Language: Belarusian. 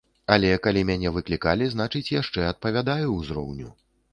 Але калі мяне выклікалі, значыць, яшчэ адпавядаю ўзроўню.